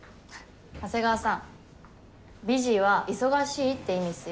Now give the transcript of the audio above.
長谷川さんビジーは「忙しい」って意味っすよ。